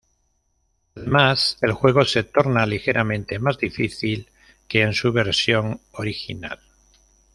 Además, el juego se torna ligeramente más difícil que en su versión original.